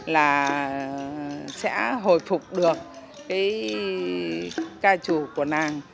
là sẽ hồi phục được cái ca trù của nàng